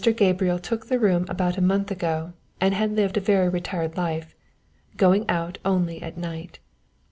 Gabriel took the room about a month ago and had lived a very retired life, going out only at night.